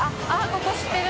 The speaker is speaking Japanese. ここ知ってる！